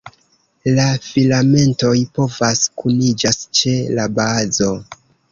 La filamentoj povas kuniĝas ĉe la bazo.